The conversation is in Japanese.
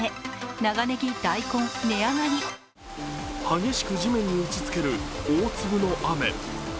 激しく地面に打ちつける大粒の雨。